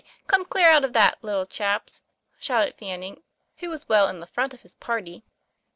Come, clear out of that, little chaps!" shouted Fanning, who was well in the front of his party.